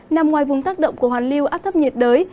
nằm ngoài vùng tác động của hoàn lưu áp thấp nhiệt đới